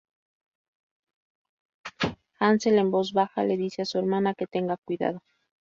Hansel, en voz baja, le dice a su hermana que tenga cuidado.